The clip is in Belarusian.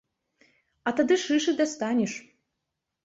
А тады шыш і дастанеш.